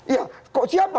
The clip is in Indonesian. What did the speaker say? ya kok siapa